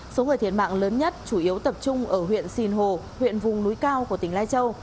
số người thiệt mạng lớn nhất chủ yếu tập trung ở huyện sìn hồ huyện vùng núi cao của tỉnh lai châu